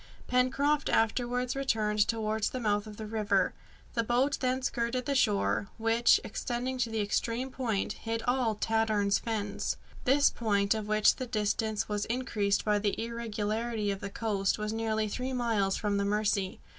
Pencroft afterwards returned towards the mouth of the river. The boat then skirted the shore, which, extending to the extreme point, hid all Tadorn's Fens. This point, of which the distance was increased by the irregularity of the coast, was nearly three miles from the Mercy.